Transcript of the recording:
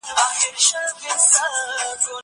که وخت وي، سپينکۍ پرېولم!